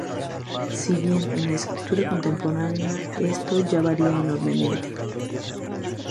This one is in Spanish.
Si bien, en la escritura contemporánea esto ya varía enormemente.